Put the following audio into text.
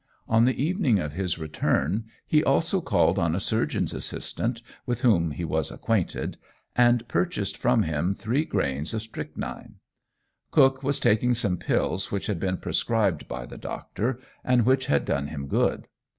On the evening of his return he also called on a surgeon's assistant, with whom he was acquainted, and purchased from him three grains of strychnine. Cook was taking some pills which had been prescribed by the doctor, and which had done him good.